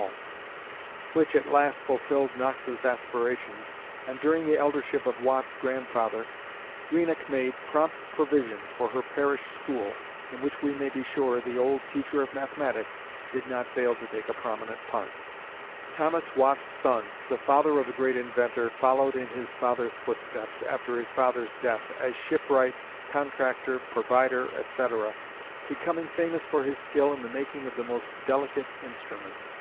The very year after Parliament passed the Act of 1696, which at last fulfilled Knox's aspirations, and during the Eldership of Watt's grandfather, Greenock made prompt provision for her parish school, in which we may be sure the old "teacher of mathematics" did not fail to take a prominent part. Thomas Watt's son, the father of the great inventor, followed in his father's footsteps, after his father's death, as shipwright, contractor, provider, etc., becoming famous for his skill in the making of the most delicate instruments.